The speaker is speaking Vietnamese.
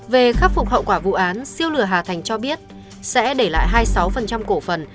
về khắc phục hậu quả vụ án siêu lửa hà thành cho biết sẽ để lại hai mươi sáu cổ phần